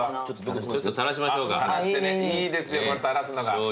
ちょっと垂らしましょうか。